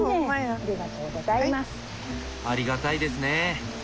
ありがたいですね。